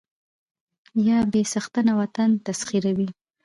يا بې څښنته وطن تسخيروي